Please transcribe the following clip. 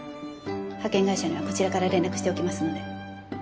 派遣会社にはこちらから連絡しておきますので。